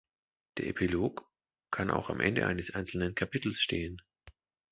Der Epilog kann auch am Ende eines einzelnen Kapitels stehen.